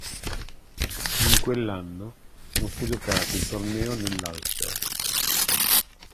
In quell'anno non fu giocato il torneo nell'Ulster.